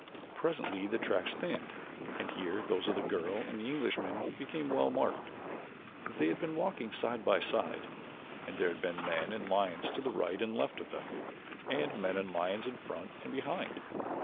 Presently the tracks thinned and here those of the girl and the Englishman became well marked. They had been walking side by side and there had been men and lions to the right and left of them, and men and lions in front and behind.